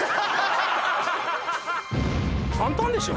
簡単でしょ？